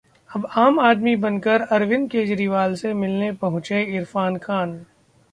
...जब 'आम आदमी' बनकर अरविंद केजरीवाल से मिलने पहुंचे इरफान खान